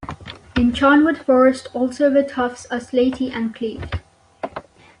In Charnwood Forest also the tuffs are slaty and cleaved.